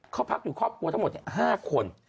เขาพักอยู่ครอบครัวทั้งหมด๕คน